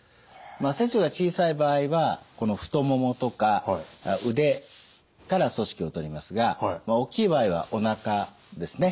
切除が小さい場合はこの太ももとか腕から組織を取りますが大きい場合はおなかですね